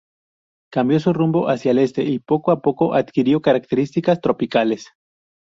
Cambió su rumbo hacia el este, y poco a poco adquirió características tropicales.